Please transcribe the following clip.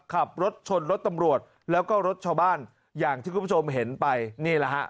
ขับรถชนรถตำรวจแล้วก็รถชาวบ้านอย่างที่คุณผู้ชมเห็นไปนี่แหละฮะ